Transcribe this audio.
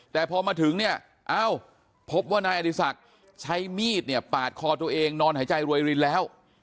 แต่พอมาถึงเนี่ยเอ้าพบว่านายอดีศักดิ์ใช้มีดเนี่ยปาดคอตัวเองนอนหายใจรวยรินแล้ว